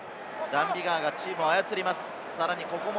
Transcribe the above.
ダン・ビガーがチームを操ります。